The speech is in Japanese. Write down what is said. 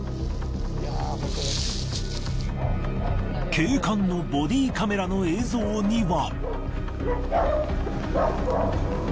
警官のボディカメラの映像には。